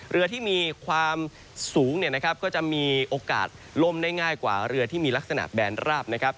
เรือที่มีความสูงเนี่ยนะครับก็จะมีโอกาสล่มได้ง่ายกว่าเรือที่มีลักษณะแบนราบนะครับ